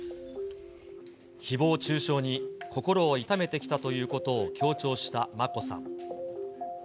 ひぼう中傷に心を痛めてきたということを強調した眞子さん。